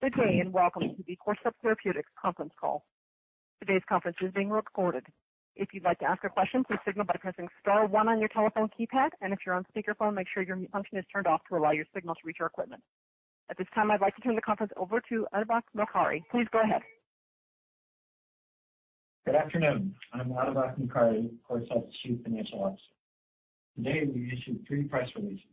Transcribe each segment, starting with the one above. Good day. Welcome to the Corcept Therapeutics conference call. Today's conference is being recorded. If you'd like to ask a question, please signal by pressing star one on your telephone keypad, and if you're on speakerphone, make sure your mute function is turned off to allow your signal to reach our equipment. At this time, I'd like to turn the conference over to Atabak Mokari. Please go ahead. Good afternoon. I'm Atabak Mokari, Corcept's Chief Financial Officer. Today, we issued three press releases.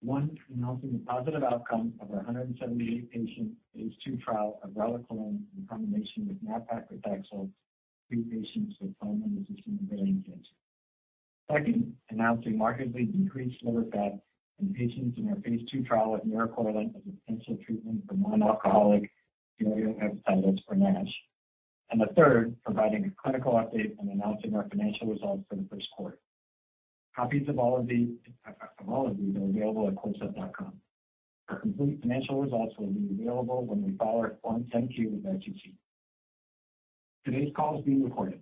One, announcing the positive outcome of our 178 patient phase II trial of relacorilant in combination with nab-paclitaxel in patients with platinum-resistant ovarian cancer. Second, announcing markedly decreased liver fat in patients in our phase II trial with miricorilant as a potential treatment for non-alcoholic steatohepatitis, or NASH. The third, providing a clinical update and announcing our financial results for the first quarter. Copies of all of these are available at corcept.com. Our complete financial results will be available when we file our Form 10-Q with the SEC. Today's call is being recorded.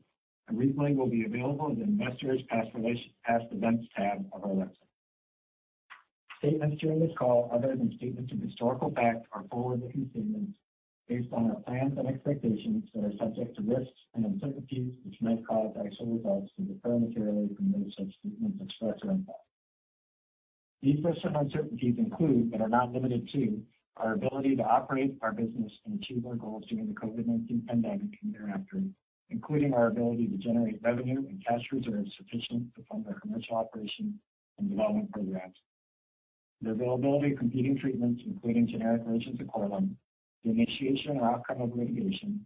A replay will be available in the Investors Past Events tab of our website. Statements during this call, other than statements of historical fact, are forward-looking statements based on our plans and expectations that are subject to risks and uncertainties which might cause actual results to differ materially from those such statements express or imply. These risks and uncertainties include, but are not limited to, our ability to operate our business and achieve our goals during the COVID-19 pandemic and thereafter, including our ability to generate revenue and cash reserves sufficient to fund our commercial operation and development programs. The availability of competing treatments, including generic versions of Korlym, the initiation and outcome of litigation,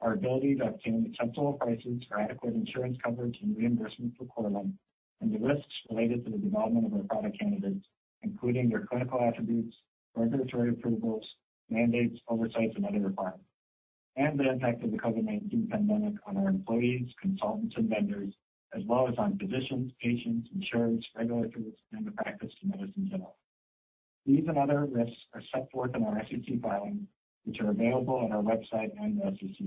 our ability to obtain acceptable prices for adequate insurance coverage and reimbursement for Korlym, and the risks related to the development of our product candidates, including their clinical attributes, regulatory approvals, mandates, oversights and other requirements. The impact of the COVID-19 pandemic on our employees, consultants, and vendors, as well as on physicians, patients, insurers, regulators, and the practice of medicine in general. These other risks are set forth in our SEC filings, which are available on our website and the SEC.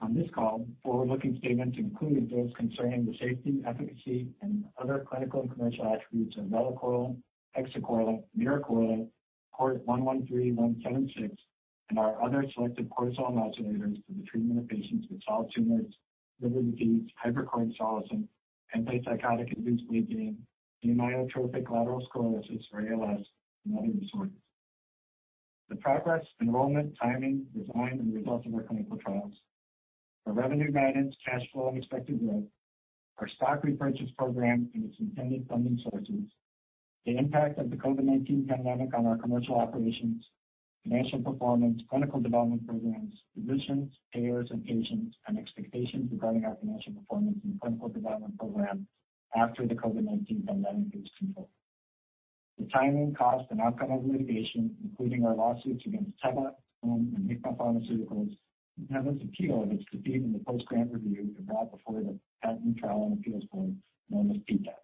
On this call, forward-looking statements, including those concerning the safety, efficacy, and other clinical and commercial attributes of relacorilant, exicorilant, miricorilant, CORT113176, and our other selective cortisol modulators for the treatment of patients with solid tumors, liver disease, hypercortisolism, antipsychotic-induced weight gain, amyotrophic lateral sclerosis, or ALS, and other disorders, the progress, enrollment, timing, design, and results of our clinical trials, our revenue guidance, cash flow, and expected growth, and our stock repurchase program and its intended funding sources. The impact of the COVID-19 pandemic on our commercial operations, financial performance, clinical development programs, physicians, payers and patients, and expectations regarding our financial performance and clinical development program after the COVID-19 pandemic is controlled. The timing, cost, and outcome of litigation, including our lawsuits against Teva, Sun Pharmaceutical, and Hikma Pharmaceuticals, and Teva's appeal of its defeat in the post-grant review it brought before the Patent Trial and Appeal Board, known as PTAB,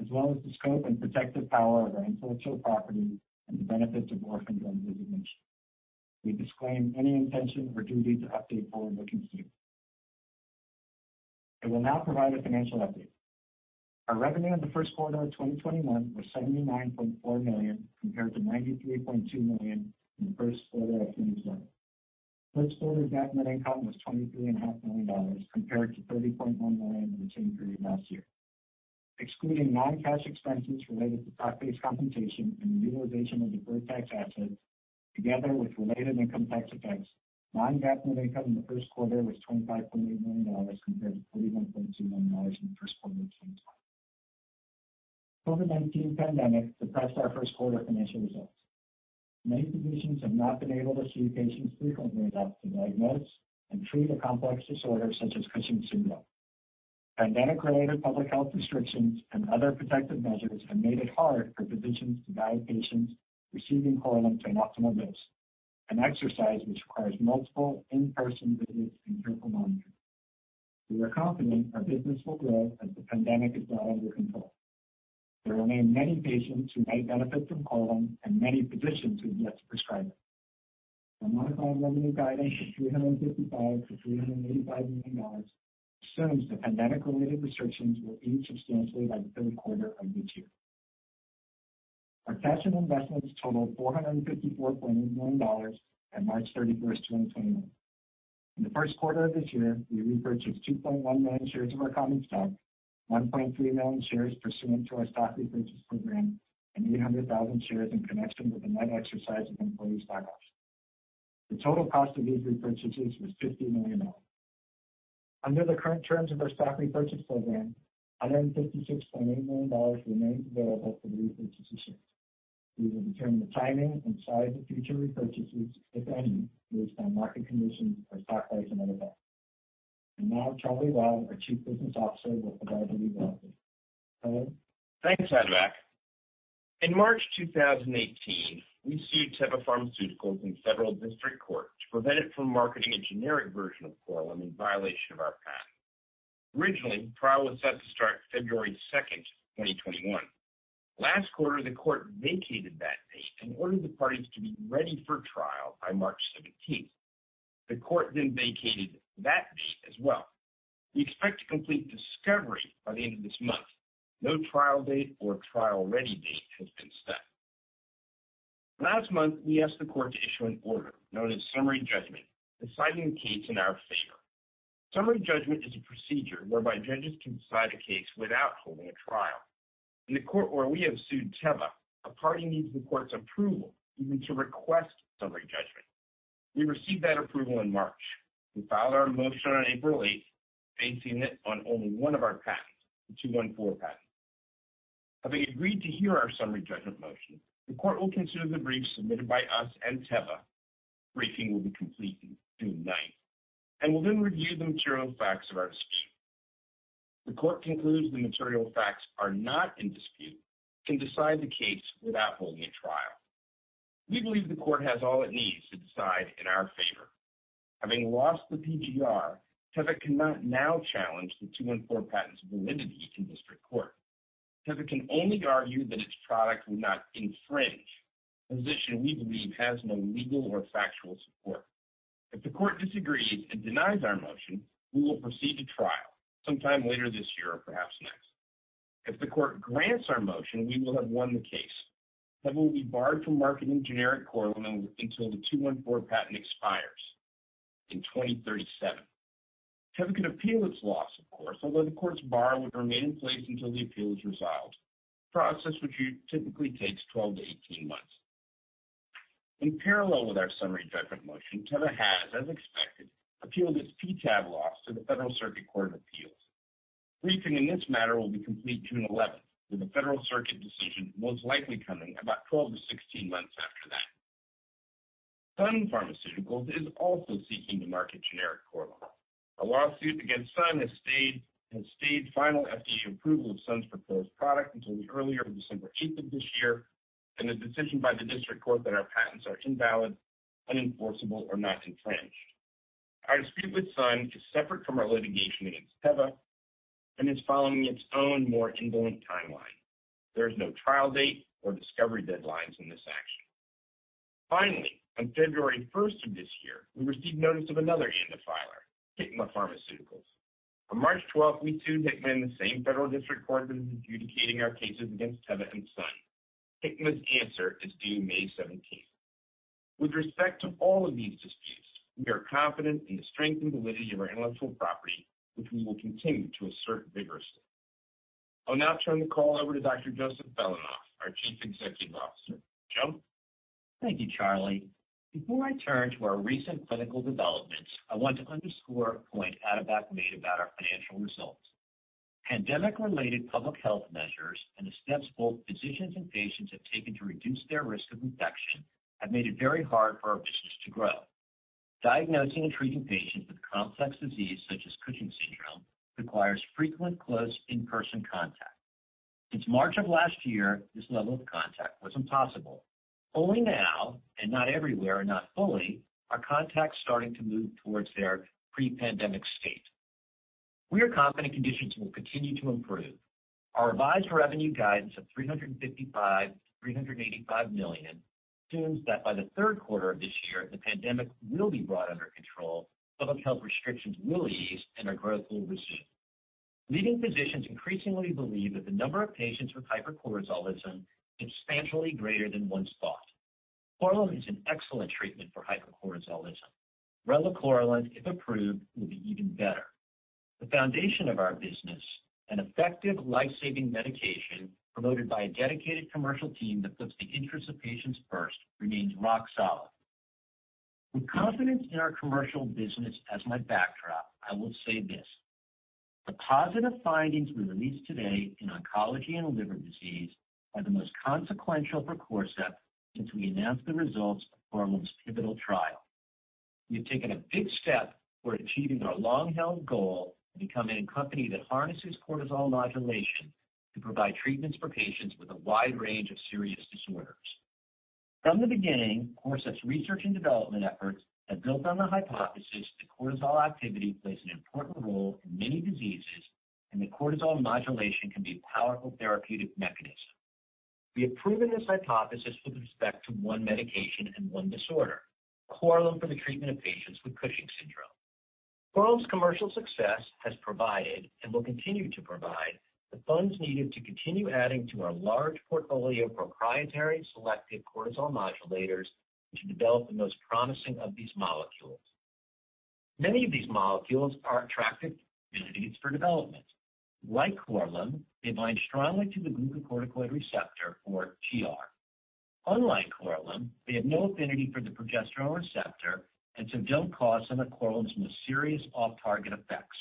as well as the scope and protective power of our intellectual property and the benefits of orphan drug designation. We disclaim any intention or duty to update forward-looking statements. I will now provide a financial update. Our revenue in the first quarter of 2021 was $79.4 million compared to $93.2 million in the first quarter of 2020. First quarter net income was twenty-three and a half million dollars compared to $30.1 million in the same period last year. Excluding non-cash expenses related to stock-based compensation and the utilization of deferred tax assets, together with related income tax effects, non-GAAP net income in the first quarter was $25.8 million compared to $41.2 million in the first quarter of 2020. The COVID-19 pandemic suppressed our first quarter financial results. Many physicians have not been able to see patients frequently enough to diagnose and treat a complex disorder such as Cushing's syndrome. Pandemic-related public health restrictions and other protective measures have made it hard for physicians to guide patients receiving Korlym to an optimal dose, an exercise which requires multiple in-person visits and careful monitoring. We are confident our business will grow as the pandemic is brought under control. There remain many patients who might benefit from Korlym and many physicians who have yet to prescribe it. Our modified revenue guidance of $355 million-$385 million assumes the pandemic-related restrictions will ease substantially by the third quarter of this year. Our cash and investments totaled $454.8 million at March 31st, 2021. In the first quarter of this year, we repurchased 2.1 million shares of our common stock, 1.3 million shares pursuant to our stock repurchase program, and 800,000 shares in connection with the net exercise of employee stock options. The total cost of these repurchases was $50 million. Under the current terms of our stock repurchase program, $156.8 million remains available for repurchase this year. We will determine the timing and size of future repurchases, if any, based on market conditions our stock price and other factors. Now Charlie Robb, our Chief Business Officer, will provide a legal update. Charlie Robb? Thanks, Atabak. In March 2018, we sued Teva Pharmaceuticals in Federal District Court to prevent it from marketing a generic version of Korlym in violation of our patent. Originally, trial was set to start February 2nd, 2021. Last quarter, the court vacated that date and ordered the parties to be ready for trial by March 17th. The court then vacated that date as well. We expect to complete discovery by the end of this month. No trial date or trial-ready date has been set. Last month, we asked the court to issue an order, known as summary judgment, deciding the case in our favor. Summary judgment is a procedure whereby judges can decide a case without holding a trial. In the court where we have sued Teva, a party needs the court's approval even to request summary judgment. We received that approval in March. We filed our motion on April eighth, basing it on only one of our patents, the '214 patent. Having agreed to hear our summary judgment motion, the court will consider the briefs submitted by us and Teva. Briefing will be complete June ninth, and will then review the material facts of our dispute. If the court concludes the material facts are not in dispute, it can decide the case without holding a trial. We believe the court has all it needs to decide in our favor. Having lost the PGR, Teva cannot now challenge the '214 patent's validity to district court. Teva can only argue that its product would not infringe, a position we believe has no legal or factual support. If the court disagrees and denies our motion, we will proceed to trial sometime later this year or perhaps next. If the court grants our motion, we will have won the case. Teva will be barred from marketing generic Korlym until the '214 patent expires in 2037. Teva could appeal its loss, of course, although the court's bar would remain in place until the appeal is resolved, a process which typically takes 12-18 months. In parallel with our summary judgment motion, Teva has, as expected, appealed its PTAB loss to the Federal Circuit Court of Appeals. Briefing in this matter will be complete June 11th, with the Federal Circuit decision most likely coming about 12 to 16 months after that. Sun Pharmaceuticals is also seeking to market generic Korlym. A lawsuit against Sun has stayed final FDA approval of Sun's proposed product until the earlier of December eighth of this year and a decision by the district court that our patents are invalid, unenforceable, or not infringed. Our dispute with Sun is separate from our litigation against Teva and is following its own more indolent timeline. There is no trial date or discovery deadlines in this action. Finally, on February first of this year, we received notice of another ANDA filer, Hikma Pharmaceuticals. On March 12th, we sued Hikma in the same federal district court that is adjudicating our cases against Teva and Sun. Hikma's answer is due May 17th. With respect to all of these disputes, we are confident in the strength and validity of our intellectual property, which we will continue to assert vigorously. I'll now turn the call over to Dr. Joseph K. Belanoff, our Chief Executive Officer. Joe? Thank you, Charlie. Before I turn to our recent clinical developments, I want to underscore a point Atabak made about our financial results. Pandemic-related public health measures and the steps both physicians and patients have taken to reduce their risk of infection have made it very hard for our business to grow. Diagnosing and treating patients with a complex disease such as Cushing's syndrome requires frequent close in-person contact. Since March of last year, this level of contact was impossible. Only now, and not everywhere and not fully, are contacts starting to move towards their pre-pandemic state. We are confident conditions will continue to improve. Our revised revenue guidance of $355 million-$385 million assumes that by the third quarter of this year, the pandemic will be brought under control, public health restrictions will ease, and our growth will resume. Leading physicians increasingly believe that the number of patients with hypercortisolism is substantially greater than once thought. Korlym is an excellent treatment for hypercortisolism. Relacorilant, if approved, will be even better. The foundation of our business, an effective life-saving medication promoted by a dedicated commercial team that puts the interests of patients first, remains rock solid. With confidence in our commercial business as my backdrop, I will say this. The positive findings we released today in oncology and liver disease are the most consequential for Corcept since we announced the results of Korlym's pivotal trial. We have taken a big step toward achieving our long-held goal to become a company that harnesses cortisol modulation to provide treatments for patients with a wide range of serious disorders. From the beginning, Corcept's research and development efforts have built on the hypothesis that cortisol activity plays an important role in many diseases and that cortisol modulation can be a powerful therapeutic mechanism. We have proven this hypothesis with respect to one medication and one disorder, Korlym for the treatment of patients with Cushing's syndrome. Korlym's commercial success has provided, and will continue to provide, the funds needed to continue adding to our large portfolio of proprietary selective cortisol modulators and to develop the most promising of these molecules. Many of these molecules are attractive candidates for development. Like Korlym, they bind strongly to the glucocorticoid receptor, or GR. Unlike Korlym, they have no affinity for the progesterone receptor and so don't cause some of Korlym's most serious off-target effects.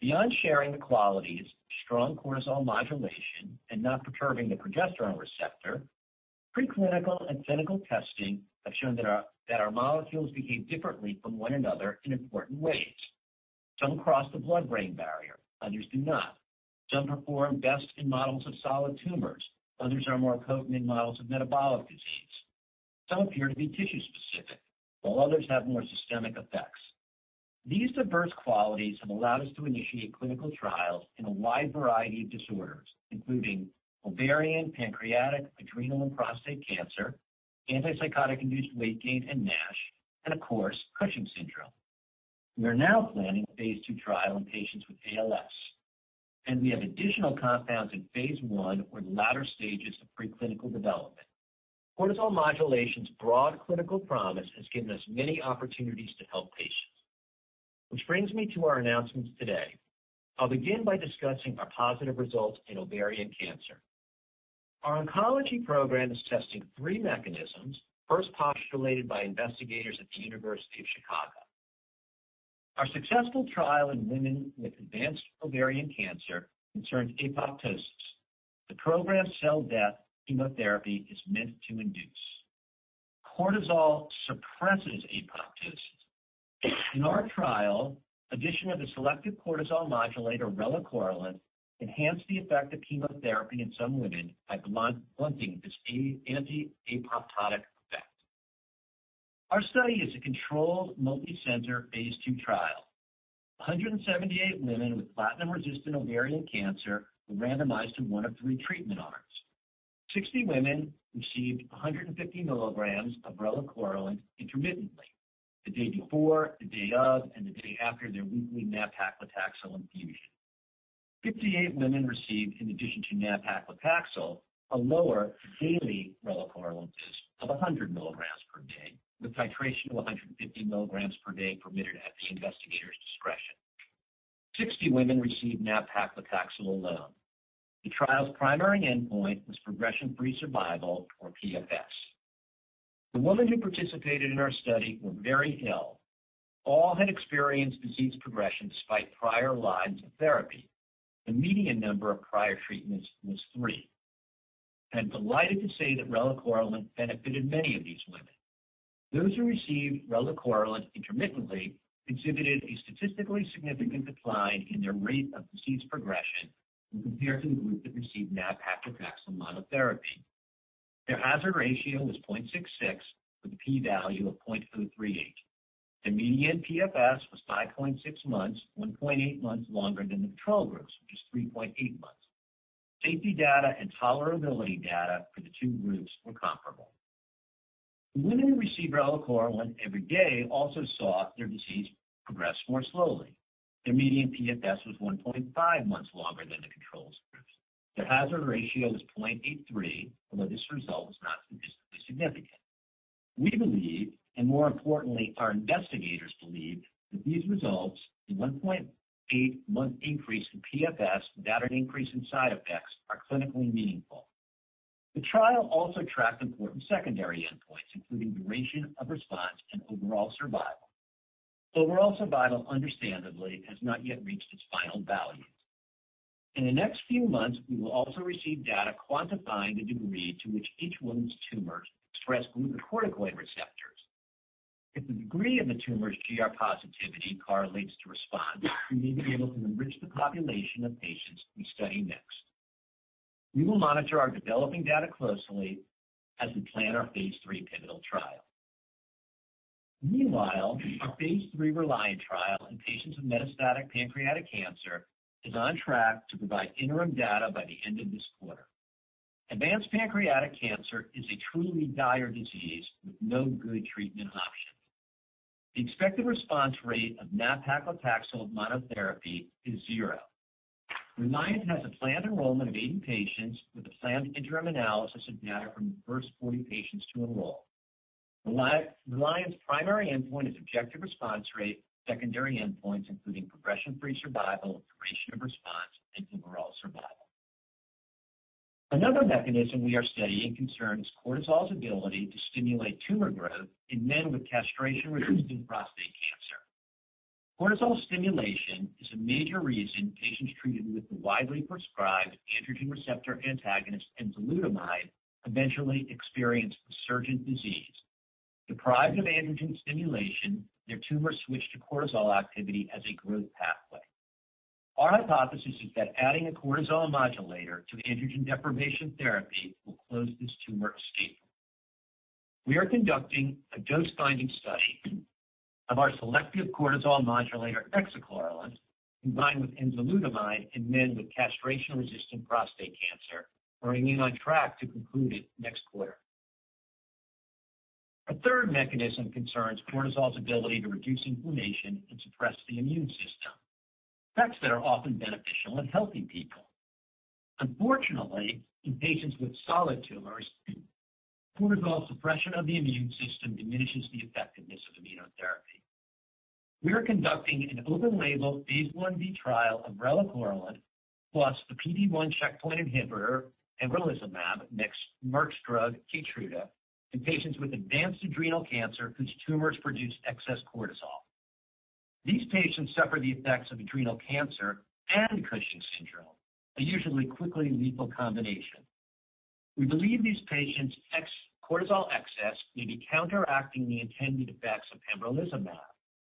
Beyond sharing the qualities of strong cortisol modulation and not perturbing the progesterone receptor, pre-clinical and clinical testing have shown that our molecules behave differently from one another in important ways. Some cross the blood-brain barrier, others do not. Some perform best in models of solid tumors, others are more potent in models of metabolic disease. Some appear to be tissue specific, while others have more systemic effects. These diverse qualities have allowed us to initiate clinical trials in a wide variety of disorders, including ovarian, pancreatic, adrenal, and prostate cancer, antipsychotic-induced weight gain and NASH, and of course, Cushing's syndrome. We are now planning a phase II trial in patients with ALS, and we have additional compounds in phase I or latter stages of preclinical development. Cortisol modulation's broad clinical promise has given us many opportunities to help patients, which brings me to our announcements today. I'll begin by discussing our positive results in ovarian cancer. Our oncology program is testing three mechanisms first postulated by investigators at The University of Chicago. Our successful trial in women with advanced ovarian cancer concerns apoptosis, the programmed cell death chemotherapy is meant to induce. Cortisol suppresses apoptosis. In our trial, addition of a selective cortisol modulator, relacorilant, enhanced the effect of chemotherapy in some women by blunting this anti-apoptotic effect. Our study is a controlled, multicenter, phase II trial. 178 women with platinum-resistant ovarian cancer were randomized to one of three treatment arms. 60 women received 150 milligrams of relacorilant intermittently, the day before, the day of, and the day after their weekly nab-paclitaxel infusion. 58 women received, in addition to nab-paclitaxel, a lower daily relacorilant dose of 100 milligrams per day, with titration to 150 milligrams per day permitted at the investigator's discretion. 60 women received nab-paclitaxel alone. The trial's primary endpoint was progression-free survival, or PFS. The women who participated in our study were very ill. All had experienced disease progression despite prior lines of therapy. The median number of prior treatments was three. I am delighted to say that relacorilant benefited many of these women. Those who received relacorilant intermittently exhibited a statistically significant decline in their rate of disease progression when compared to the group that received nab-paclitaxel monotherapy. Their hazard ratio was 0.66 with a P value of 0.038. The median PFS was 5.6 months, 1.8 months longer than the control group's, which is 3.8 months. Safety data and tolerability data for the two groups were comparable. The women who received relacorilant every day also saw their disease progress more slowly. Their median PFS was 1.5 months longer than the control group's. Their hazard ratio was 0.83, although this result was not statistically significant. We believe, and more importantly, our investigators believe, that these results, the 1.8-month increase in PFS without an increase in side effects, are clinically meaningful. The trial also tracked important secondary endpoints, including duration of response and overall survival. Overall survival, understandably, has not yet reached its final value. In the next few months, we will also receive data quantifying the degree to which each woman's tumors express glucocorticoid receptors. If the degree of the tumor's GR positivity correlates to response, we may be able to enrich the population of patients we study next. We will monitor our developing data closely as we plan our phase III pivotal trial. Meanwhile, our phase III RELIANT trial in patients with metastatic pancreatic cancer is on track to provide interim data by the end of this quarter. Advanced pancreatic cancer is a truly dire disease with no good treatment options. The expected response rate of nab-paclitaxel monotherapy is zero. RELIANT has a planned enrollment of 80 patients with a planned interim analysis of data from the first 40 patients to enroll. RELIANT's primary endpoint is objective response rate, secondary endpoints including progression-free survival, duration of response, and overall survival. Another mechanism we are studying concerns cortisol's ability to stimulate tumor growth in men with castration-resistant prostate cancer. Cortisol stimulation is a major reason patients treated with the widely prescribed androgen receptor antagonist enzalutamide eventually experience resurgent disease. Deprived of androgen stimulation, their tumors switch to cortisol activity as a growth pathway. Our hypothesis is that adding a cortisol modulator to androgen deprivation therapy will close this tumor escape route. We are conducting a dose-finding study of our selective cortisol modulator, exicorilant, combined with enzalutamide in men with castration-resistant prostate cancer. We remain on track to conclude it next quarter. A third mechanism concerns cortisol's ability to reduce inflammation and suppress the immune system, effects that are often beneficial in healthy people. Unfortunately, in patients with solid tumors, cortisol suppression of the immune system diminishes the effectiveness of immunotherapy. We are conducting an open-label phase I-B trial of relacorilant plus the PD-1 checkpoint inhibitor pembrolizumab, Merck's drug KEYTRUDA, in patients with advanced adrenal cancer whose tumors produce excess cortisol. These patients suffer the effects of adrenal cancer and Cushing's syndrome, a usually quickly lethal combination. We believe these patients' cortisol excess may be counteracting the intended effects of pembrolizumab,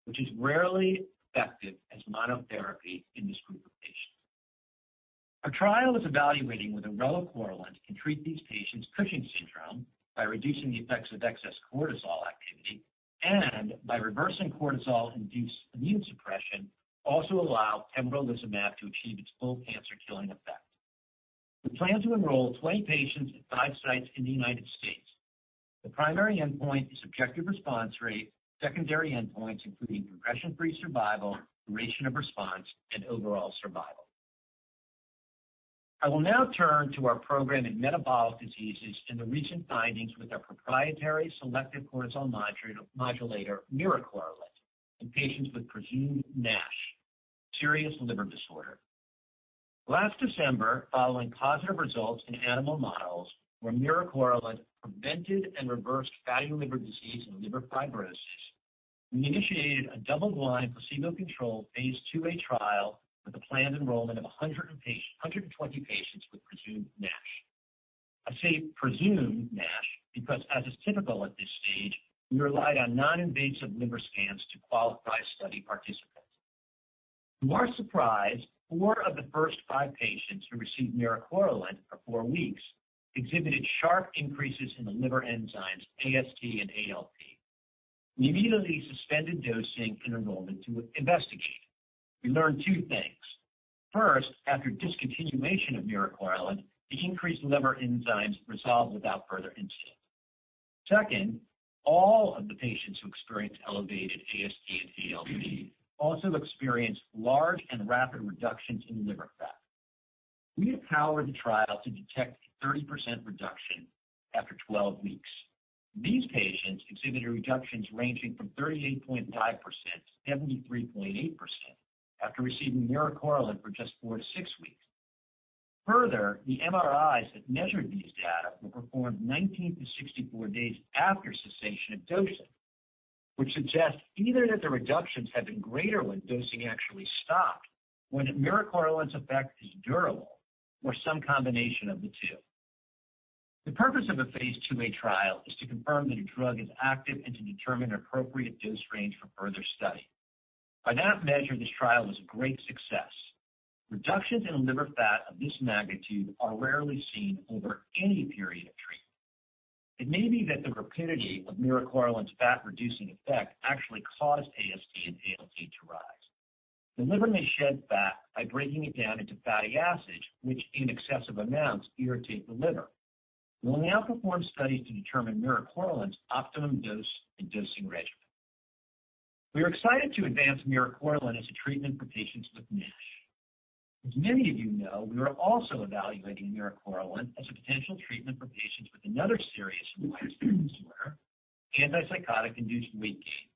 which is rarely effective as monotherapy in this group of patients. Our trial is evaluating whether relacorilant can treat these patients' Cushing's syndrome by reducing the effects of excess cortisol activity and by reversing cortisol-induced immune suppression, also allow pembrolizumab to achieve its full cancer-killing effect. We plan to enroll 20 patients at 5 sites in the U.S. The primary endpoint is objective response rate, secondary endpoints including progression-free survival, duration of response, and overall survival. I will now turn to our program in metabolic diseases and the recent findings with our proprietary selective cortisol modulator, miricorilant, in patients with presumed NASH, a serious liver disorder. Last December, following positive results in animal models where miricorilant prevented and reversed fatty liver disease and liver fibrosis, we initiated a double-blind, placebo-controlled phase II-A trial with a planned enrollment of 120 patients with presumed NASH. I say presumed NASH because, as is typical at this stage, we relied on non-invasive liver scans to qualify study participants. To our surprise, four of the first five patients who received miricorilant for four weeks exhibited sharp increases in the liver enzymes AST and ALP. We immediately suspended dosing and enrollment to investigate. We learned two things. First, after discontinuation of miricorilant, the increased liver enzymes resolved without further incident. Second, all of the patients who experienced elevated AST and ALP also experienced large and rapid reductions in liver fat. We had powered the trial to detect a 30% reduction after 12 weeks. These patients exhibited reductions ranging from 38.5%-73.8% after receiving miricorilant for just 4-6 weeks. Further, the MRIs that measured these data were performed 19-64 days after cessation of dosing, which suggests either that the reductions had been greater when dosing actually stopped, or that miricorilant's effect is durable, or some combination of the two. The purpose of a phase II-A trial is to confirm that a drug is active and to determine an appropriate dose range for further study. By that measure, this trial was a great success. Reductions in liver fat of this magnitude are rarely seen over any period of treatment. It may be that the rapidity of miricorilant's fat-reducing effect actually caused AST and ALP to rise. The liver may shed fat by breaking it down into fatty acids, which in excessive amounts irritate the liver. We will now perform studies to determine miricorilant's optimum dose and dosing regimen. We are excited to advance miricorilant as a treatment for patients with NASH. As many of you know, we are also evaluating miricorilant as a potential treatment for patients with another serious liver disease disorder, antipsychotic-induced weight gain.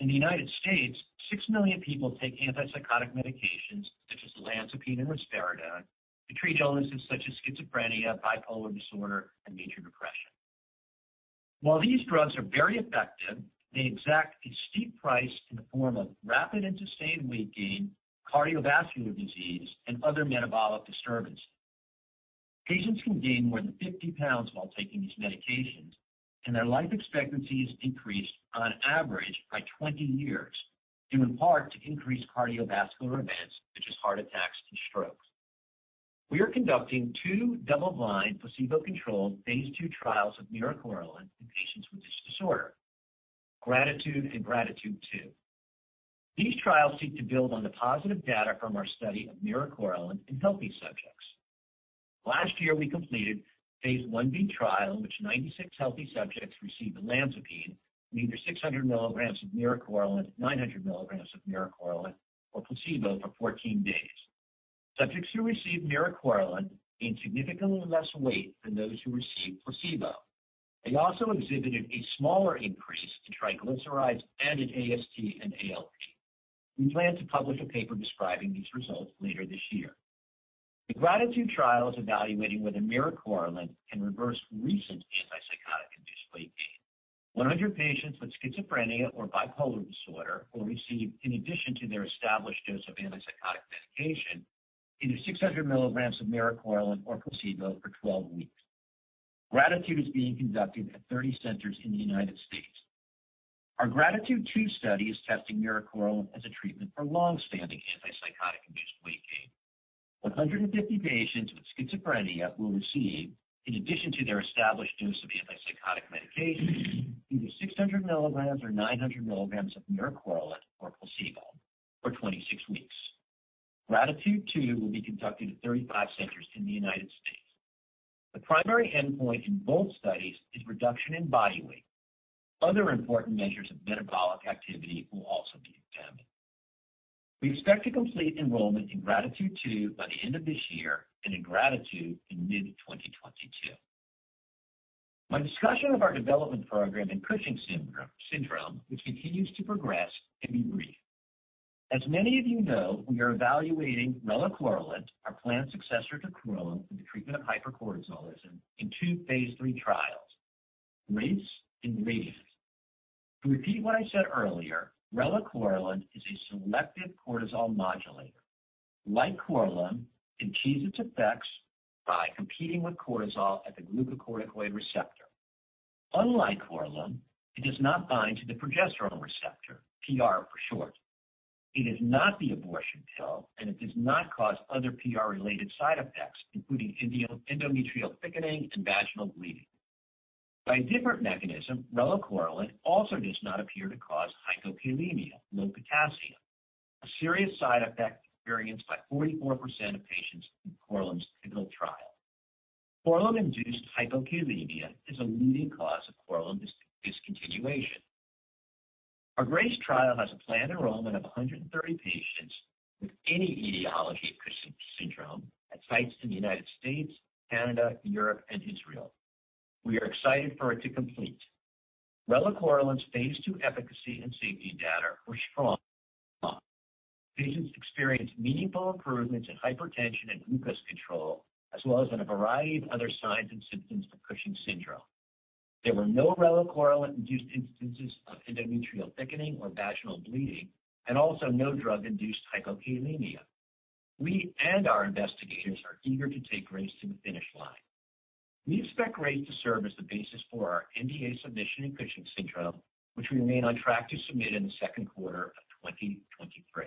In the United States, six million people take antipsychotic medications such as olanzapine and risperidone to treat illnesses such as schizophrenia, bipolar disorder, and major depression. While these drugs are very effective, they exact a steep price in the form of rapid and sustained weight gain, cardiovascular disease, and other metabolic disturbances. Patients can gain more than 50 pounds while taking these medications, and their life expectancy is decreased on average by 20 years, due in part to increased cardiovascular events such as heart attacks and strokes. We are conducting two double-blind, placebo-controlled Phase II trials of miricorilant in patients with this disorder, GRATITUDE and GRATITUDE II. These trials seek to build on the positive data from our study of miricorilant in healthy subjects. Last year, we completed a Phase I-B trial in which 96 healthy subjects received olanzapine and either 600 milligrams of miricorilant, 900 milligrams of miricorilant, or placebo for 14 days. Subjects who received miricorilant gained significantly less weight than those who received placebo. They also exhibited a smaller increase in triglycerides and in AST and ALP. We plan to publish a paper describing these results later this year. The GRATITUDE trial is evaluating whether miricorilant can reverse recent antipsychotic-induced weight gain. 100 patients with schizophrenia or bipolar disorder will receive, in addition to their established dose of antipsychotic medication, either 600 milligrams of miricorilant or placebo for 12 weeks. GRATITUDE is being conducted at 30 centers in the U.S. Our GRATITUDE II study is testing miricorilant as a treatment for long-standing antipsychotic-induced weight gain. 150 patients with schizophrenia will receive, in addition to their established dose of antipsychotic medication, either 600 milligrams or 900 milligrams of miricorilant or placebo for 26 weeks. GRATITUDE II will be conducted at 35 centers in the U.S. The primary endpoint in both studies is reduction in body weight. Other important measures of metabolic activity will also be examined. We expect to complete enrollment in GRATITUDE II by the end of this year and in GRATITUDE in mid-2022. My discussion of our development program in Cushing's syndrome, which continues to progress, can be brief. As many of you know, we are evaluating relacorilant, our planned successor to Korlym, for the treatment of hypercortisolism in two Phase III trials, RACE and GRADIENT. To repeat what I said earlier, relacorilant is a selective cortisol modulator. Like Korlym, it achieves its effects by competing with cortisol at the glucocorticoid receptor. Unlike Korlym, it does not bind to the progesterone receptor, PR for short. It is not the abortion pill, and it does not cause other PR-related side effects, including endometrial thickening and vaginal bleeding. By a different mechanism, relacorilant also does not appear to cause hypokalemia, low potassium, a serious side effect experienced by 44% of patients in Korlym's pivotal trial. Korlym-induced hypokalemia is a leading cause of Korlym discontinuation. Our RACE trial has a planned enrollment of 130 patients with any etiology of Cushing's syndrome at sites in the United States, Canada, Europe, and Israel. We are excited for it to complete. relacorilant's phase II efficacy and safety data were strong. Patients experienced meaningful improvements in hypertension and glucose control, as well as in a variety of other signs and symptoms of Cushing's syndrome. There were no relacorilant-induced instances of endometrial thickening or vaginal bleeding, no drug-induced hypokalemia. We and our investigators are eager to take RACE to the finish line. We expect RACE to serve as the basis for our NDA submission in Cushing's syndrome, which we remain on track to submit in the second quarter of 2023.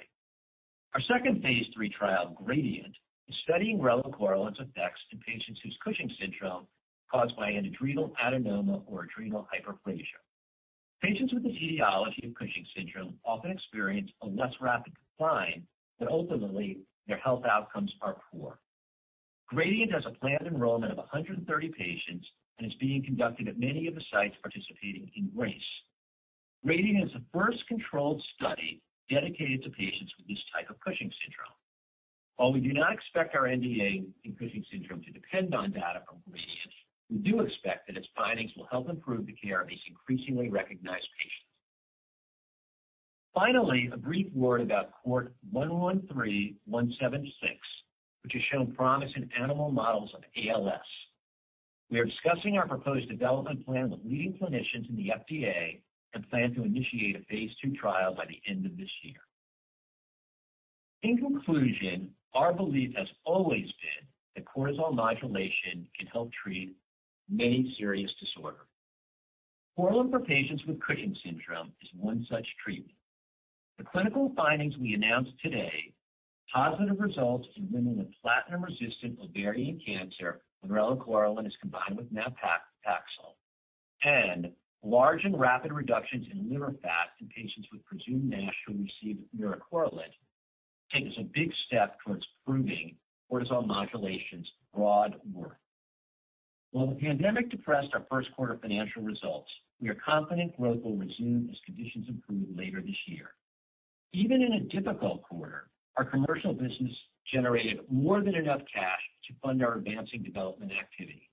Our second Phase III trial, GRADIENT, is studying relacorilant's effects in patients whose Cushing's syndrome is caused by an adrenal adenoma or adrenal hyperplasia. Patients with this etiology of Cushing's syndrome often experience a less rapid decline, ultimately, their health outcomes are poor. GRADIENT has a planned enrollment of 130 patients and is being conducted at many of the sites participating in RACE. GRADIENT is the first controlled study dedicated to patients with this type of Cushing's syndrome. While we do not expect our NDA in Cushing's syndrome to depend on data from GRADIENT, we do expect that its findings will help improve the care of these increasingly recognized patients. Finally, a brief word about CORT-113176, which has shown promise in animal models of ALS. We are discussing our proposed development plan with leading clinicians in the FDA and plan to initiate a phase II trial by the end of this year. In conclusion, our belief has always been that cortisol modulation can help treat many serious disorders. Korlym for patients with Cushing's syndrome is one such treatment. The clinical findings we announced today, positive results in women with platinum-resistant ovarian cancer when relacorilant is combined with nab-paclitaxel, and large and rapid reductions in liver fat in patients with presumed NASH who received miricorilant take us a big step towards proving cortisol modulation's broad worth. While the pandemic depressed our first quarter financial results, we are confident growth will resume as conditions improve later this year. Even in a difficult quarter, our commercial business generated more than enough cash to fund our advancing development activity.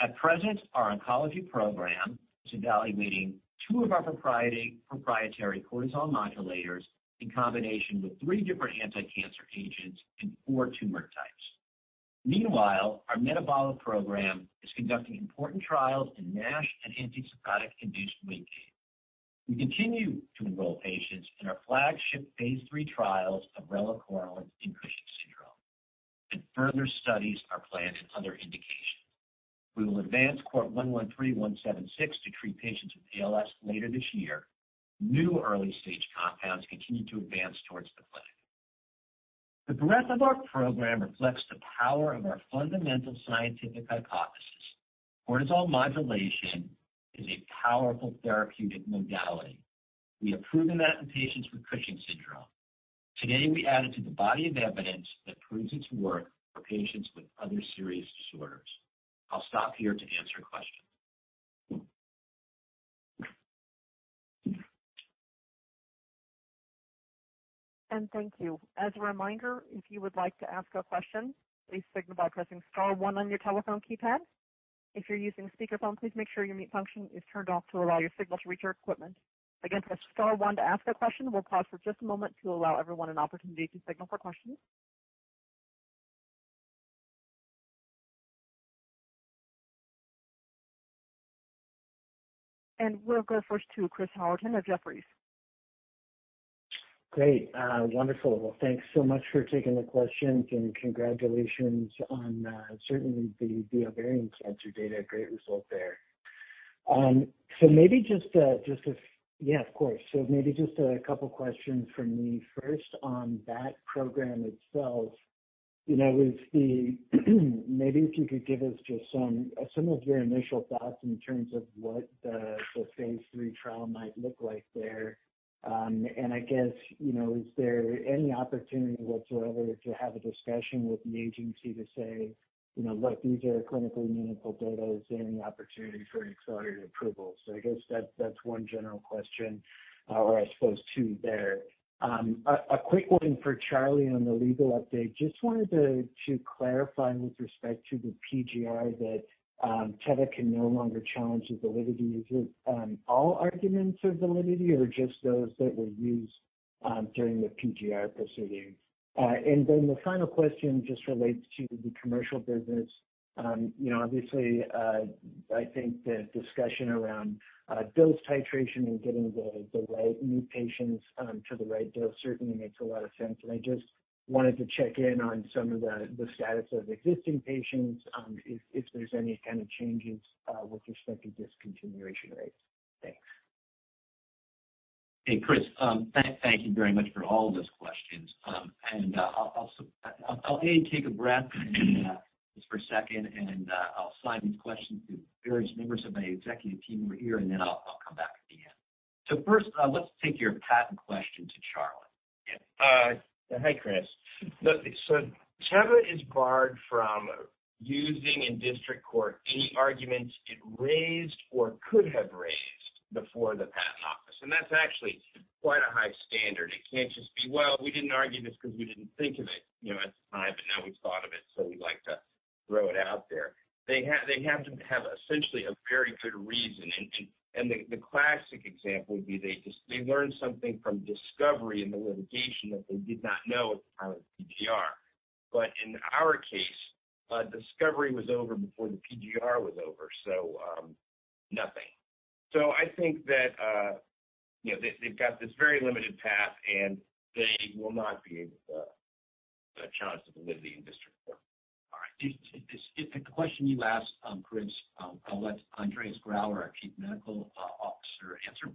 At present, our oncology program is evaluating two of our proprietary cortisol modulators in combination with three different anti-cancer agents in four tumor types. Meanwhile, our metabolic program is conducting important trials in NASH and antipsychotic-induced weight gain. We continue to enroll patients in our flagship phase III trials of relacorilant in Cushing's syndrome, and further studies are planned in other indications. We will advance CORT-113176 to treat patients with ALS later this year. New early-stage compounds continue to advance towards the clinic. The breadth of our program reflects the power of our fundamental scientific hypothesis. Cortisol modulation is a powerful therapeutic modality. We have proven that in patients with Cushing's syndrome. Today, we add it to the body of evidence that proves its worth for patients with other serious disorders. I'll stop here to answer questions. Thank you. As a reminder, if you would like to ask a question, please signal by pressing star one on your telephone keypad. If you're using speakerphone, please make sure your mute function is turned off to allow your signal to reach our equipment. Again, press star one to ask a question. We'll pause for just a moment to allow everyone an opportunity to signal for questions. We'll go first to Chris Harland of Jefferies. Great. Wonderful. Thanks so much for taking the questions and congratulations on certainly the ovarian cancer data. Great result there. Maybe just a Yeah, of course. Maybe just a couple questions from me. First, on that program itself, maybe if you could give us just some of your initial thoughts in terms of what the phase III trial might look like there. I guess, is there any opportunity whatsoever to have a discussion with the agency to say, "Look, these are clinically meaningful data. Is there any opportunity for an accelerated approval?" I guess that's one general question, or I suppose two there. A quick one for Charlie on the legal update. Just wanted to clarify with respect to the PGR that Teva can no longer challenge the validity. Is it all arguments of validity or just those that were used during the PGR proceedings? The final question just relates to the commercial business. Obviously, I think the discussion around dose titration and getting the right new patients to the right dose certainly makes a lot of sense. I just wanted to check in on some of the status of existing patients, if there's any kind of changes with respect to discontinuation rates. Thanks. Hey, Chris. Thank you very much for all of those questions. I'll take a breath just for a second, and I'll assign these questions to various members of my executive team who are here, and then I'll come back at the end. First, let's take your patent question to Charlie. Yeah. Hi, Chris. Teva is barred from using in district court any arguments it raised or could have raised before the patent office. That's actually quite a high standard. It can't just be, "Well, we didn't argue this because we didn't think of it at the time, but now we've thought of it, so we'd like to throw it out there." They have to have essentially a very good reason. The classic example would be they learn something from discovery in the litigation that they did not know at the time of the PGR. In our case, discovery was over before the PGR was over. Nothing. I think that they've got this very limited path. They will not be able to challenge the validity in district court. All right. The question you asked, Chris, I'll let Andreas Grauer, our Chief Medical Officer, answer.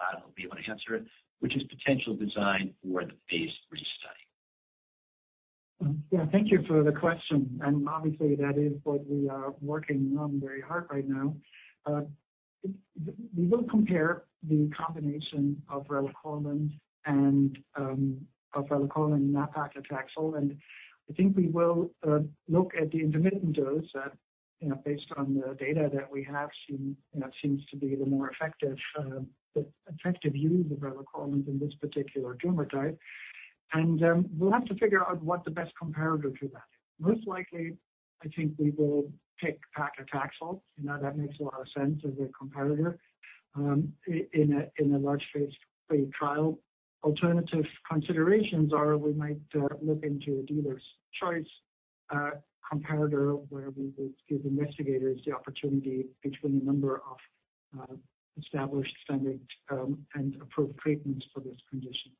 I don't know if he'll be able to answer it, which is potential design for the phase III study. Yeah. Thank you for the question. Obviously, that is what we are working on very hard right now. We will compare the combination of relacorilant and paclitaxel, and I think we will look at the intermittent dose that, based on the data that we have, seems to be the more effective use of relacorilant in this particular tumor type. We'll have to figure out what the best comparator to that is. Most likely, I think we will pick paclitaxel. That makes a lot of sense as a comparator in a large phase III trial. Alternative considerations are we might look into a dealer's choice comparator, where we would give investigators the opportunity between a number of established standards and approved treatments for this condition.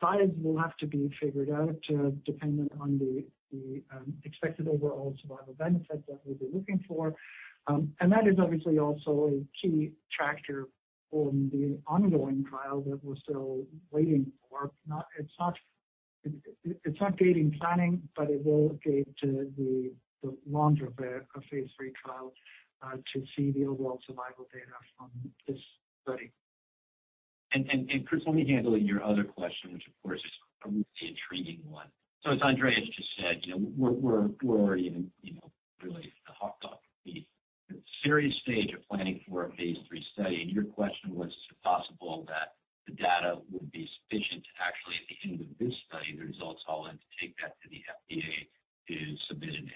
Size will have to be figured out dependent on the expected overall survival benefit that we'll be looking for. That is obviously also a key factor for the ongoing trial that we're still waiting for. It's not gating planning, but it will gate the launch of a phase III trial to see the overall survival data from this study. Chris, let me handle your other question, which, of course, is a really intriguing one. As Andreas Grauer just said, we're already in really the hot topic, the serious stage of planning for a phase III study. Your question was, is it possible that the data would be sufficient to actually, at the end of this study, the results all in, to take that to the FDA to submit an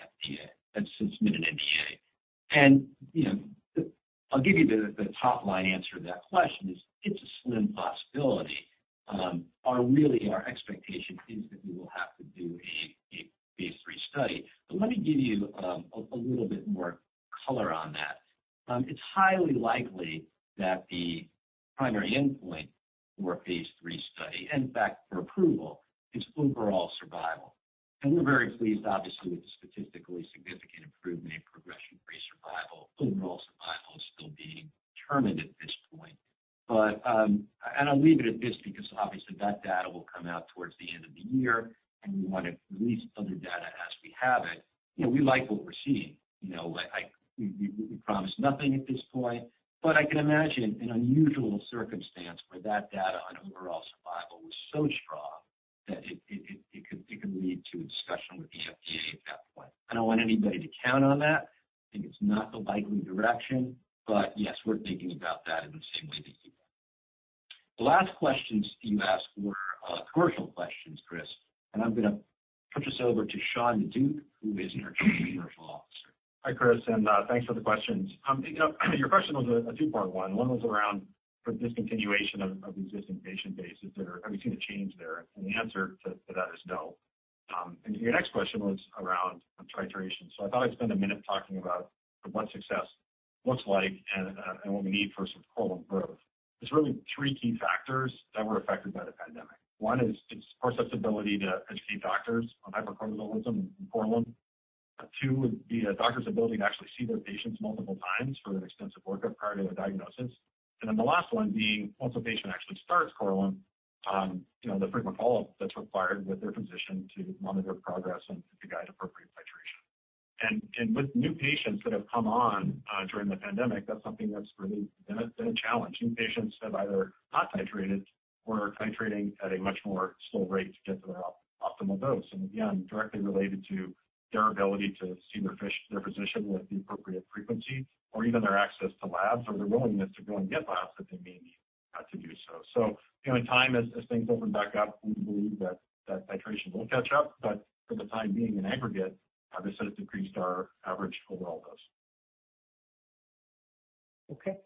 NDA. I'll give you the top-line answer to that question is it's a slim possibility. Really our expectation is that we will have to do a phase III study. Let me give you a little bit more color on that. It's highly likely that the primary endpoint for a phase III study, in fact for approval, is overall survival. We're very pleased, obviously, with the statistically significant improvement in progression-free survival. Overall survival is still being determined at this point. I'll leave it at this because obviously that data will come out towards the end of the year, and we want to release other data as we have it. We like what we're seeing. We promise nothing at this point. I can imagine an unusual circumstance where that data on overall survival was so strong that it could lead to a discussion with the FDA at that point. I don't want anybody to count on that. I think it's not the likely direction. Yes, we're thinking about that in the same way that you are. The last questions you asked were commercial questions, Chris. I'm going to pitch this over to Sean Maduck, who is our Chief Commercial Officer. Hi, Chris, thanks for the questions. Your question was a two-part one. One was around the discontinuation of existing patient bases, have we seen a change there? The answer to that is no. Your next question was around titration. I thought I'd spend a minute talking about what success looks like and what we need for sustainable growth. There's really three key factors that were affected by the pandemic. One is Corcept's ability to educate doctors on hypercortisolism and Korlym. Two would be a doctor's ability to actually see their patients multiple times for an extensive workup prior to a diagnosis. The last one being once a patient actually starts Korlym, the frequent follow-up that's required with their physician to monitor progress and to guide appropriate titration. With new patients that have come on during the pandemic, that's something that's really been a challenge. New patients have either not titrated or are titrating at a much more slow rate to get to their optimal dose. Again, directly related to their ability to see their physician with the appropriate frequency or even their access to labs or their willingness to go and get labs if they may need to do so. In time, as things open back up, we believe that titration will catch up, but for the time being in aggregate, this has decreased our average overall dose. Okay.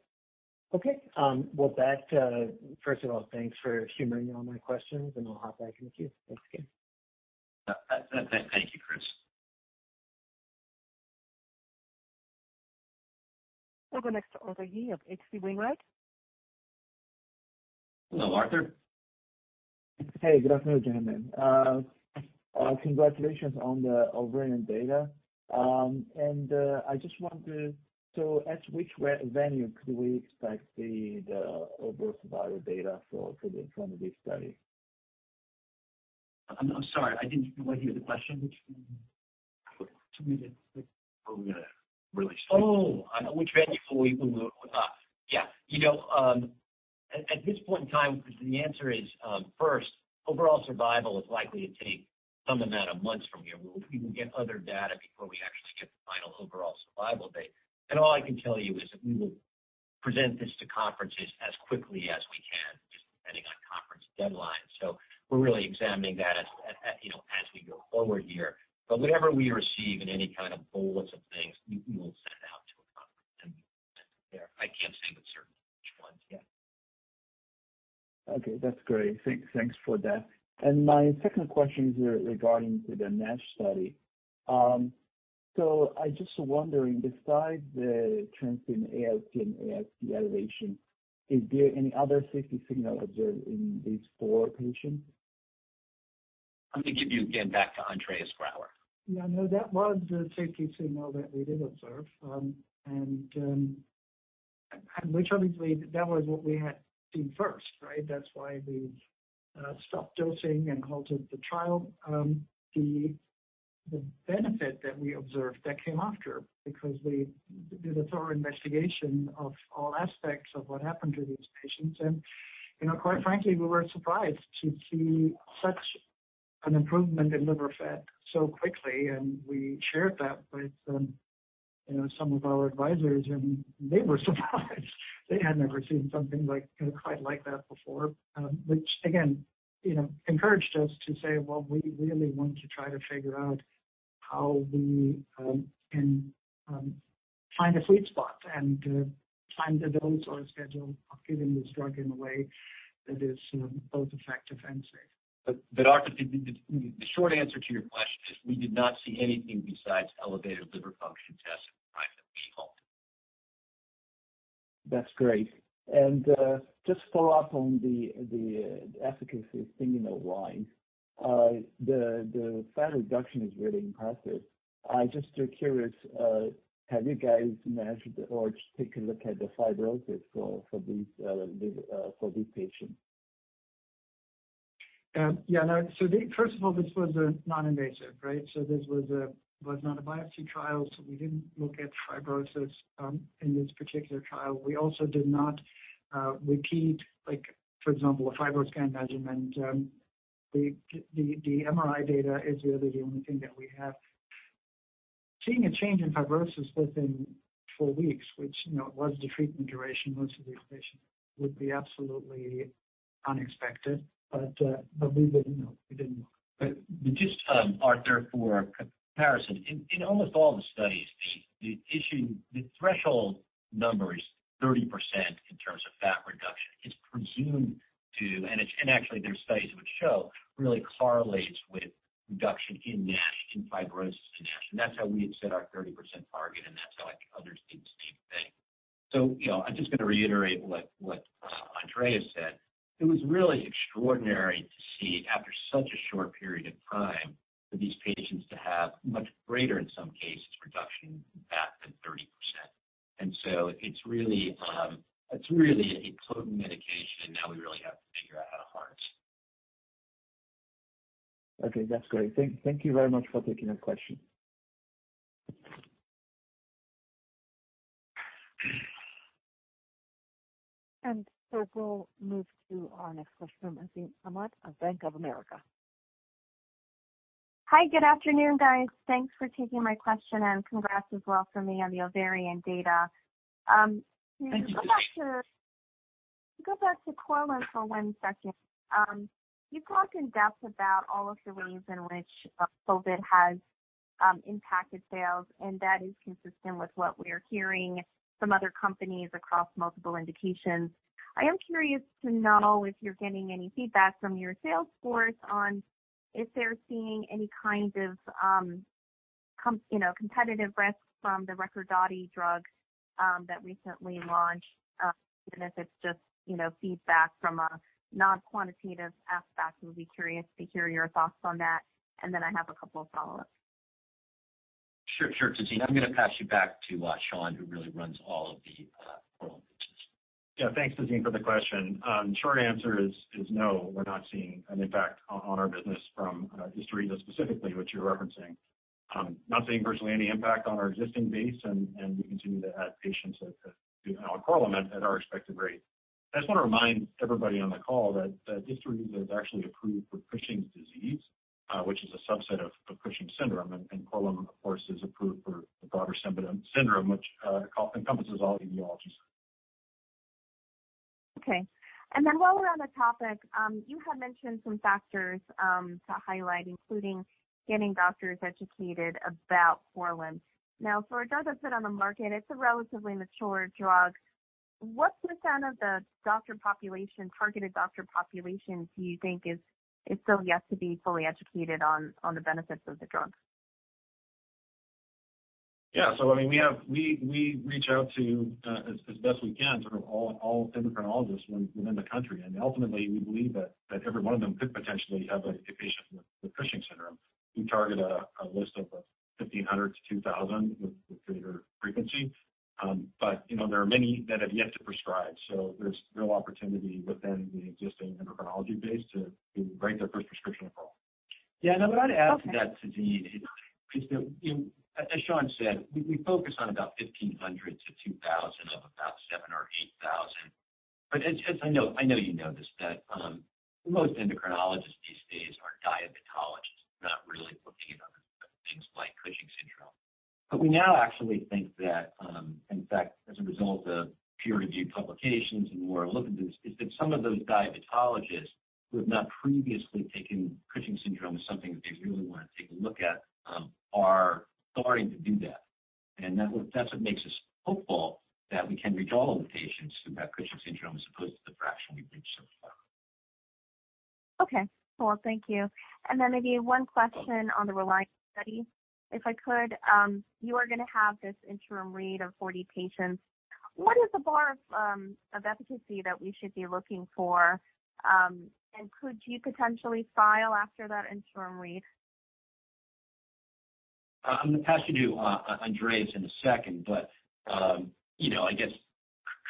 Well, first of all, thanks for humoring all my questions. I'll hop back in the queue. Thanks again. Thank you, Chris. We'll go next to Arthur Yee of H.C. Wainwright & Co. Hello, Arthur. Hey, good afternoon, gentlemen. Congratulations on the ovarian data. I just wanted to ask which venue could we expect the overall survival data for the front of this study? I'm sorry, I didn't quite hear the question. Which one? To me, that's like- Oh, yeah. Which venue before we move. Yeah. At this point in time, the answer is, first, overall survival is likely to take some amount of months from here. We will get other data before we actually get the final overall survival date. All I can tell you is that we will present this to conferences as quickly as we can, just depending on conference deadlines. We're really examining that as we go forward here. Whatever we receive in any kind of bullets of things, we will send it out to a conference and present it there. I can't say with certainty which ones yet. Okay, that's great. Thanks for that. My second question is regarding to the NASH study. I'm just wondering, besides the trends in AST and ALP elevation, is there any other safety signal observed in these four patients? I'm going to give you again back to Andreas Grauer. Yeah, no, that was the safety signal that we did observe. Which obviously, that was what we had seen first, right? That's why we stopped dosing and halted the trial. The benefit that we observed, that came after, because we did a thorough investigation of all aspects of what happened to these patients. Quite frankly, we were surprised to see such an improvement in liver fat so quickly, and we shared that with some of our advisors, and they were surprised. They had never seen something quite like that before. Which again, encouraged us to say, well, we really want to try to figure out how we can find a sweet spot and find a dose or a schedule of giving this drug in a way that is both effective and safe. Arthur, the short answer to your question is we did not see anything besides elevated liver function tests at the time that we halted. That's great. Just follow up on the efficacy signal line. The fat reduction is really impressive. I'm just curious, have you guys measured or just taken a look at the fibrosis for these patients? First of all, this was non-invasive, right? This was not a biopsy trial, so we didn't look at fibrosis in this particular trial. We also did not repeat, for example, a FibroScan measurement. The MRI data is really the only thing that we have. Seeing a change in fibrosis within four weeks, which was the treatment duration most of these patients, would be absolutely unexpected, but we didn't look. Just, Arthur, for comparison, in almost all the studies, the issue, the threshold number is 30% in terms of fat reduction. It's presumed to, and actually there's studies which show, really correlates with reduction in NASH, in fibrosis in NASH. That's how we had set our 30% target, and that's how I think others did the same thing. I'm just going to reiterate what Andreas said. It was really extraordinary to see after such a short period of time for these patients to have much greater, in some cases, reduction in fat than 30%. It's really a potent medication and now we really have to figure out how to harness it. Okay, that's great. Thank you very much for taking the question. We'll move to our next question from Azin Ghorbani of Bank of America. Hi, good afternoon, guys. Thanks for taking my question and congrats as well from me on the ovarian data. Thank you. To go back to Korlym for one second. You've talked in depth about all of the ways in which COVID has impacted sales, and that is consistent with what we're hearing from other companies across multiple indications. I am curious to know if you're getting any feedback from your sales force on if they're seeing any kind of competitive risks from the Recordati drug that recently launched. Even if it's just feedback from a non-quantitative aspect, would be curious to hear your thoughts on that. Then I have a couple of follow-ups. Sure, Azin. I'm going to pass you back to Sean, who really runs all of the Korlym pieces. Yeah, thanks Azin for the question. Short answer is no, we're not seeing an impact on our business from Isturisa specifically, which you're referencing. We are not seeing virtually any impact on our existing base. We continue to add patients to Korlym at our expected rate. I just want to remind everybody on the call that Isturisa is actually approved for Cushing's disease, which is a subset of Cushing's syndrome. Korlym, of course, is approved for the broader syndrome, which encompasses all etiologies. Okay. While we're on the topic, you had mentioned some factors to highlight, including getting doctors educated about Korlym. Now, for a drug that's been on the market, it's a relatively mature drug. What % of the targeted doctor population do you think is still yet to be fully educated on the benefits of the drug? Yeah. We reach out to, as best we can, sort of all endocrinologists within the country. Ultimately, we believe that every one of them could potentially have a patient with Cushing's syndrome. We target a list of 1,500-2,000 with greater frequency. There are many that have yet to prescribe, so there's real opportunity within the existing endocrinology base to write their first prescription for. Yeah. No, I'd add to that, Camille, because as Sean said, we focus on about 1,500 to 2,000 of about seven or eight thousand. As I know you know this, that most endocrinologists these days are diabetologists, not really looking at other things like Cushing's syndrome. We now actually think that, in fact, as a result of peer-reviewed publications and more look at this, is that some of those diabetologists who have not previously taken Cushing's syndrome as something that they really want to take a look at are starting to do that. That's what makes us hopeful that we can reach all of the patients who have Cushing's syndrome, as opposed to the fraction we've reached so far. Okay. Cool. Thank you. Maybe one question on the RELIANT study, if I could. You are going to have this interim read of 40 patients. What is the bar of efficacy that we should be looking for? Could you potentially file after that interim read? I'm going to pass you to Andreas in a second, but I guess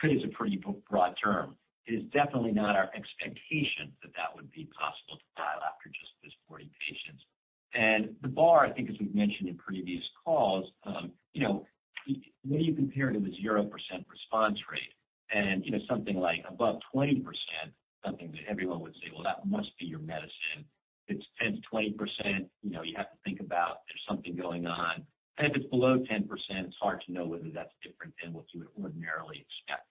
criterion is a pretty broad term. It is definitely not our expectation that that would be possible to file after just those 40 patients. The bar, I think as we've mentioned in previous calls, when you compare to the 0% response rate and something like above 20%, something that everyone would say, "Well, that must be your medicine." If it's 10%-20%, you have to think about if there's something going on. If it's below 10%, it's hard to know whether that's different than what you would ordinarily expect.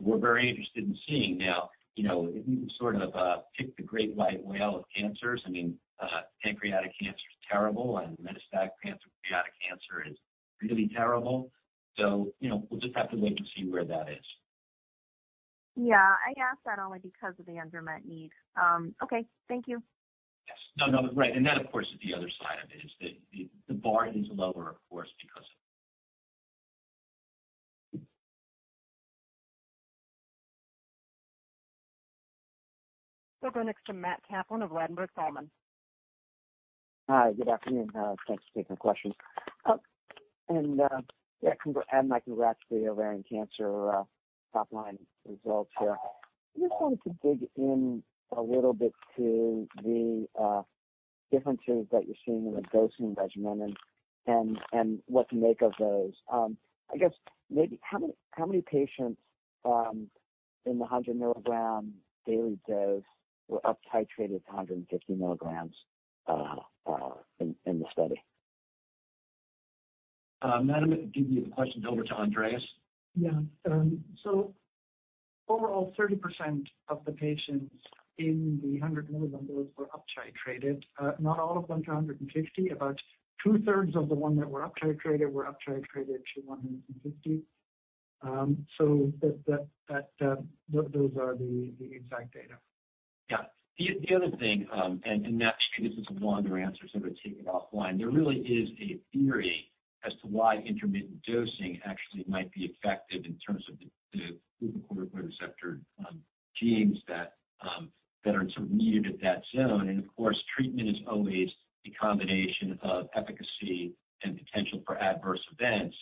We're very interested in seeing now, if we can sort of pick the great white whale of cancers. Pancreatic cancer is terrible, and metastatic pancreatic cancer is really terrible. We'll just have to wait and see where that is. Yeah. I ask that only because of the unmet need. Okay. Thank you. Yes. No, right. That, of course, is the other side of it, is that the bar is lower, of course, because. We'll go next to Matt Kaplan of Ladenburg Thalmann. Hi. Good afternoon. Thanks for taking the questions. Yeah, add my congrats for the ovarian cancer top-line results here. I just wanted to dig in a little bit to the differences that you're seeing in the dosing regimen and what to make of those. I guess maybe how many patients in the 100 milligram daily dose were uptitrated to 150 milligrams in the study? Matt, I'm going to give the question over to Andreas. Yeah. Overall, 30% of the patients in the 100 milligram dose were uptitrated. Not all of them to 150. About two-thirds of the ones that were uptitrated were uptitrated to 150. Those are the exact data. Yeah. The other thing, Matt, this is a longer answer, so I'm going to take it offline. There really is a theory as to why intermittent dosing actually might be effective in terms of the glucocorticoid receptor genes that are sort of muted at that zone. Of course, treatment is always a combination of efficacy and potential for adverse events.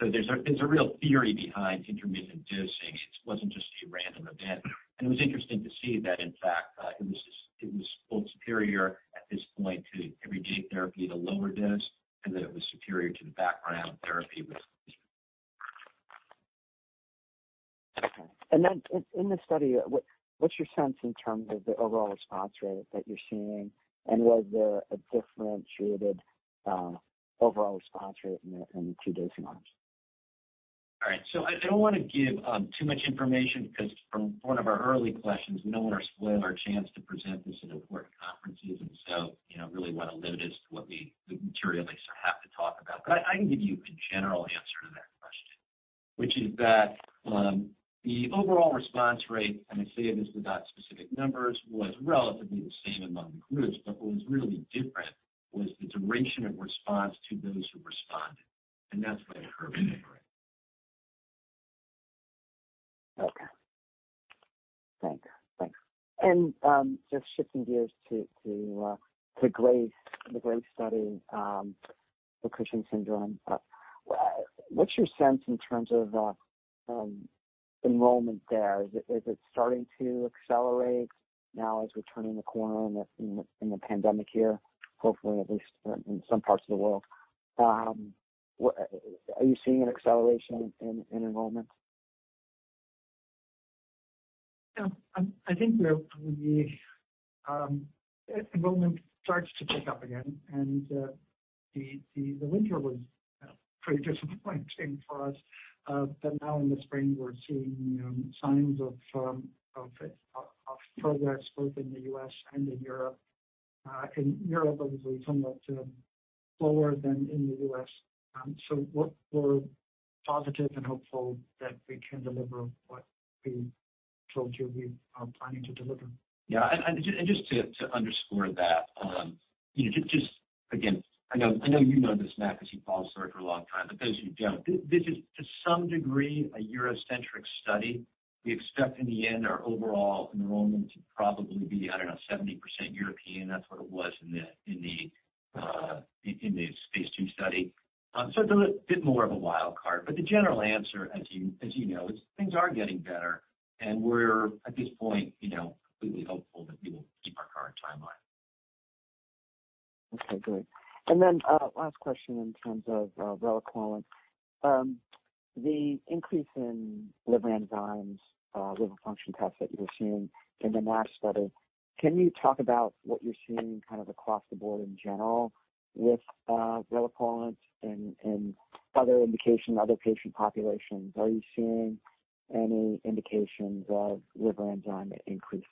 There's a real theory behind intermittent dosing. It wasn't just a random event. It was interesting to see that, in fact, it was both superior at this point to every day therapy at a lower dose, and that it was superior to the background therapy with. Okay. Then in the study, what's your sense in terms of the overall response rate that you're seeing, and was there a differentiated overall response rate in the two dosing arms? All right. I don't want to give too much information because from one of our early questions, we don't want to spoil our chance to present this at important conferences. We really want to limit as to what the material they have to talk about. I can give you a general answer to that question, which is that the overall response rate, and I say this without specific numbers, was relatively the same among the groups. What was really different was the duration of response to those who responded, and that's what improved the rate. Okay. Thanks. Just shifting gears to the GRACE study for Cushing's syndrome. What's your sense in terms of enrollment there? Is it starting to accelerate now as we're turning the corner in the pandemic year, hopefully at least in some parts of the world? Are you seeing an acceleration in enrollment? Yeah, I think we are. Enrollment starts to pick up again, the winter was pretty disappointing for us. Now in the spring, we're seeing signs of progress both in the U.S. and in Europe. In Europe, obviously, somewhat slower than in the U.S. Positive and hopeful that we can deliver what we told you we are planning to deliver. Yeah. Just to underscore that, just again, I know you know this, Matt, because you've followed Corcept for a long time, but those who don't, this is to some degree, a Eurocentric study. We expect in the end our overall enrollment to probably be, I don't know, 70% European. That's what it was in the Phase II study. It's a bit more of a wild card, but the general answer, as you know, is things are getting better and we're at this point completely hopeful that we will keep our current timeline. Okay, good. Last question in terms of relacorilant. The increase in liver enzymes, liver function tests that you're seeing in the NASH study, can you talk about what you're seeing kind of across the board in general with relacorilant and other indications, other patient populations? Are you seeing any indications of liver enzyme increases?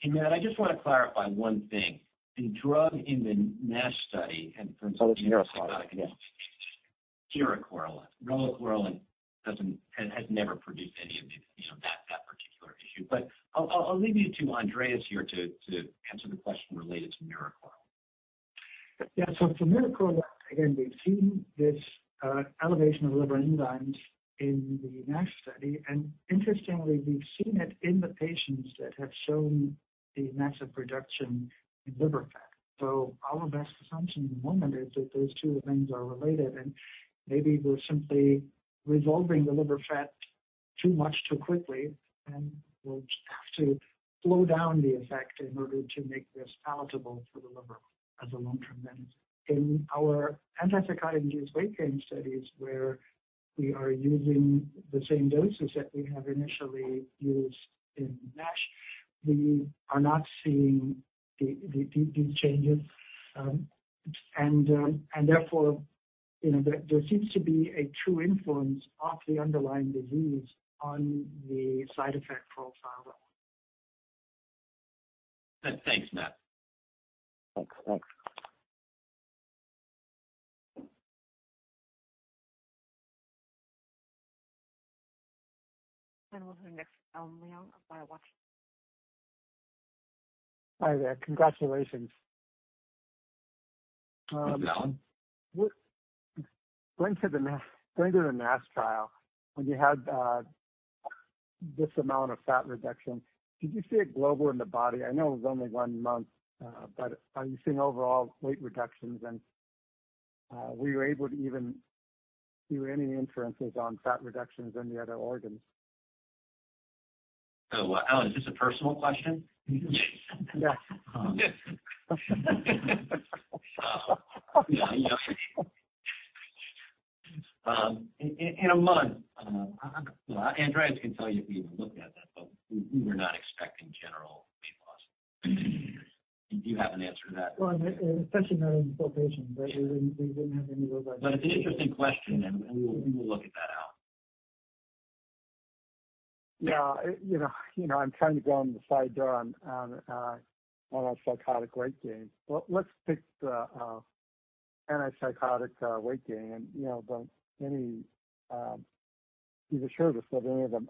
Hey, Matt, I just want to clarify one thing. The drug in the NASH study- It's miricorilant. Yeah. miricorilant. relacorilant has never produced any of that particular issue. I'll leave you to Andreas here to answer the question related to miricorilant. Yeah. For miricorilant, again, we've seen this elevation of liver enzymes in the NASH study, and interestingly, we've seen it in the patients that have shown a massive reduction in liver fat. Our best assumption at the moment is that those two things are related, and maybe we're simply resolving the liver fat too much too quickly, and we'll have to slow down the effect in order to make this palatable for the liver as a long-term medicine. In our antipsychotic-induced weight gain studies, where we are using the same doses that we have initially used in NASH, we are not seeing these changes. Therefore, there seems to be a true influence of the underlying disease on the side effect profile. Thanks, Matt. Thanks. We'll hear next, Alan Leong of BioWatch News. Hi there. Congratulations. Thank you, Alan. Going to the NASH trial, when you had this amount of fat reduction, did you see it global in the body? I know it was only one month, are you seeing overall weight reductions and were you able to even do any inferences on fat reductions in the other organs? Alan, is this a personal question? Yes. In a month, Andreas can tell you if we even looked at that, but we were not expecting general weight loss. Do you have an answer to that? Well, especially not in those patients. Right? We didn't have. It's an interesting question, and we will look at that, Al. Yeah. I'm trying to go in the side door on antipsychotic weight gain. Well, let's pick the antipsychotic weight gain. Either Sherba said any of them,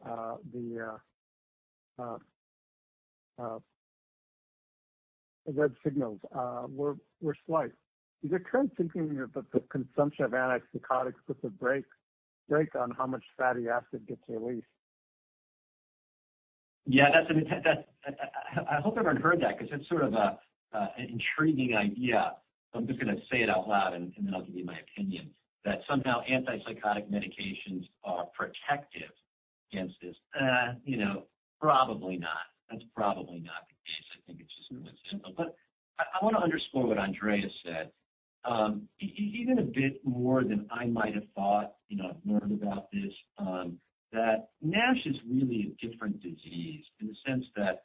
the red signals were slight. Is there current thinking that the consumption of antipsychotics puts a brake on how much fatty acid gets released? Yeah. I hope I haven't heard that because it's sort of an intriguing idea. I'm just going to say it out loud and then I'll give you my opinion, that somehow antipsychotic medications are protective against this. Eh, probably not. That's probably not the case. I think it's just much simpler. I want to underscore what Andreas said. Even a bit more than I might have thought, I've learned about this, that NASH is really a different disease in the sense that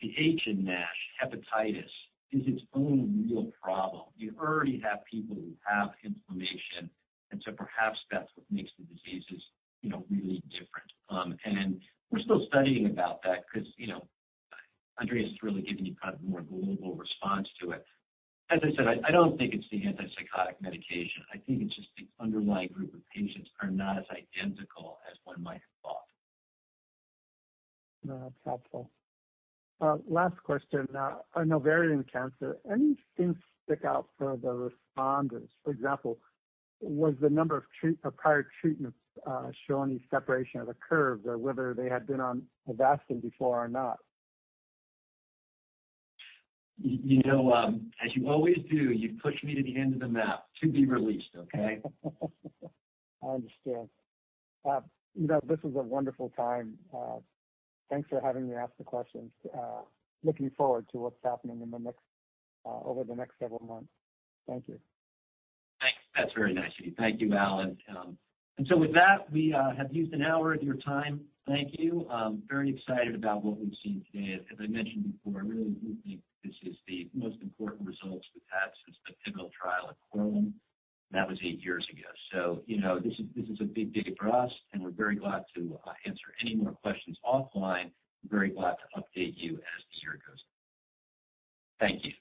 the H in NASH, hepatitis, is its own real problem. You already have people who have inflammation, and so perhaps that's what makes the diseases really different. We're still studying about that because Andreas has really given you kind of the more global response to it. As I said, I don't think it's the antipsychotic medication. I think it's just the underlying group of patients are not as identical as one might have thought. No, that's helpful. Last question. On ovarian cancer, anything stick out for the responders? For example, was the number of prior treatments show any separation of a curve there, whether they had been on Avastin before or not? As you always do, you push me to the end of the map to be released, okay? I understand. This was a wonderful time. Thanks for having me ask the questions. Looking forward to what's happening over the next several months. Thank you. Thanks. That's very nice of you. Thank you, Alan. With that, we have used an hour of your time. Thank you. Very excited about what we've seen today. As I mentioned before, I really do think this is the most important results we've had since the pivotal trial of Korlym, that was 8 years ago. This is a big deal for us, and we're very glad to answer any more questions offline. Very glad to update you as the year goes on. Thank you.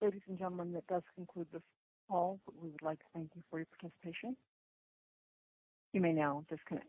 Ladies and gentlemen, that does conclude this call. We would like to thank you for your participation. You may now disconnect.